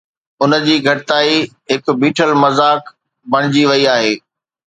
ان جي گهٽتائي هڪ بيٺل مذاق بڻجي وئي آهي